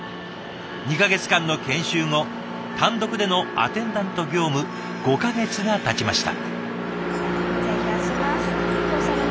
２か月間の研修後単独でのアテンダント業務５か月がたちました。